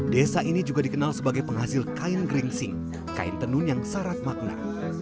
desa ini juga dikenal sebagai penghasil kain geringsing kain tenun yang syarat makna